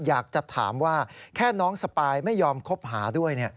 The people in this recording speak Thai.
อยากจะถามว่าแค่น้องสปายไม่ยอมคบหาด้วย